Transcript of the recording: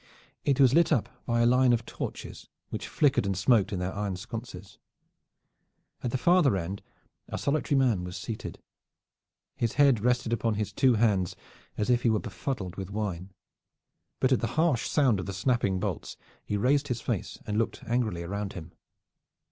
It was lit up by a line of torches, which flickered and smoked in their iron sconces. At the farther end a solitary man was seated. His head rested upon his two hands, as if he were befuddled with wine, but at the harsh sound of the snapping bolts he raised his face and looked angrily around him.